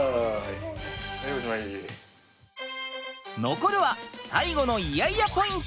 残るは最後のイヤイヤポイント！